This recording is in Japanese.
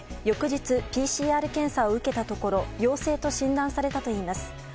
翌日、ＰＣＲ検査を受けたところ陽性と診断されたといいます。